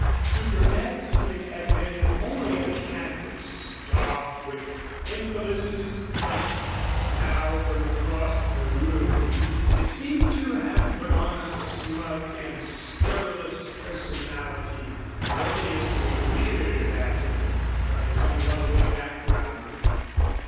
To Burnett it had been only a canvas daubed with infelicitous paint. Now from across the room it seemed to have put on a smug and scurrilous personality and odiously leered at him from its unlovely background.